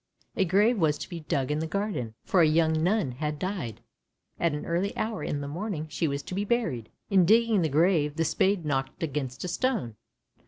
A grave was to be dug in the garden, for a young nun had died, and at an early hour in the morning she was to be buried. In digging the grave the spade knocked against a stone.